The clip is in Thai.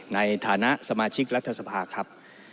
ในฐานะสมาชิกรัฐสภาครับ